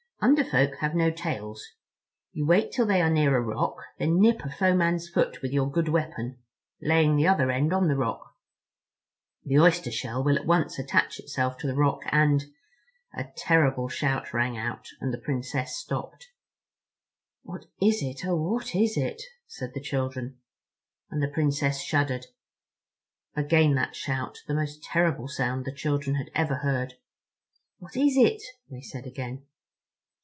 Under Folk have no tails. You wait till they are near a rock; then nip a foe man's foot with your good weapon, laying the other end on the rock. The oyster shell will at once attach itself to the rock and...." A terrible shout rang out, and the Princess stopped. "What is it; oh, what is it?" said the children. And the Princess shuddered. Again that shout—the most terrible sound the children had ever heard. "What is it?" they said again.